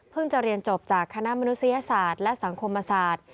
จะเรียนจบจากคณะมนุษยศาสตร์และสังคมศาสตร์